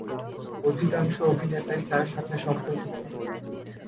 অধিকাংশ অভিনেতাই তাঁর সাথে সম্পর্কিত।